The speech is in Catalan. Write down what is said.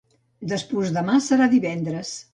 Despús-demà serà divendres.